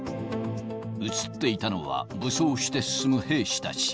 写っていたのは、武装して進む兵士たち。